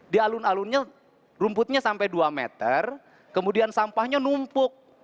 di alun alunnya rumputnya sampai dua meter kemudian sampahnya numpuk